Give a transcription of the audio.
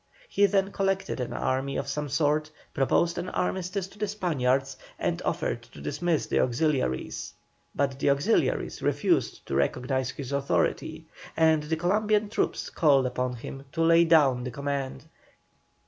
He then collected an army of some sort, proposed an armistice to the Spaniards and offered to dismiss the auxiliaries. But the auxiliaries refused to recognise his authority, and the Columbian troops called upon him to lay down the command.